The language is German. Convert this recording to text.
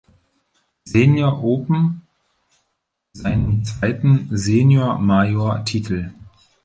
Senior Open seinen zweiten "Senior Major"-Titel.